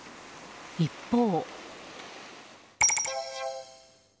一方。